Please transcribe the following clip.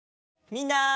みんな。